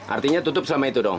artinya tutup sama itu dong